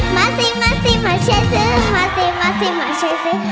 มาซิมาซิมาเช่ซึมมาซิมาซิมาเช่ซึม